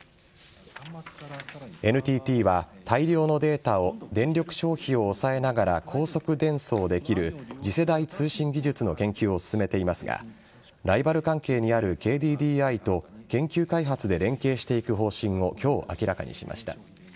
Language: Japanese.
ＮＴＴは大量のデータを電力消費を抑えながら高速伝送できる次世代通信技術の研究を進めていますがライバル関係にあるＫＤＤＩと研究開発で連携していく方針を今日、明らかにしました。